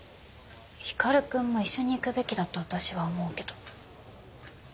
光くんも一緒に行くべきだと私は思うけど。